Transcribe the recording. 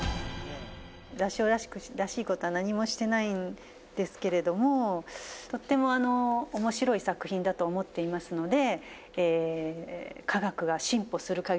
「座長らしい事は何もしてないんですけれどもとっても面白い作品だと思っていますので」